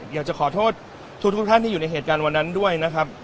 อยากจะขอโทษทุกท่านที่อยู่ในเหตุการณ์วันนั้นด้วยนะครับ